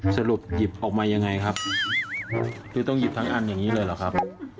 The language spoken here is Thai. สรุปหยิบออกมายังไงครับคือต้องหยิบทั้งอันอย่างนี้เลยเหรอครับ